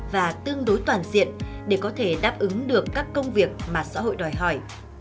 và tương đối toàn diện để có thể đáp ứng được các công việc mà xã hội đòi hỏi